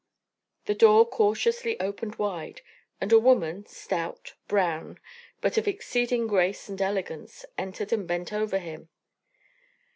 The door cautiously opened wide, and a woman, stout, brown, but of exceeding grace and elegance, entered and bent over him.